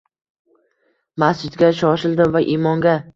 Masjidga shoshildim va imomga